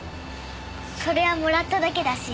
それはもらっただけだし。